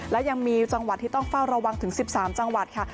และยังมีจังหวัดที่ต้องเฝ้าระวังถึง๑๓จังหวัดค่ะ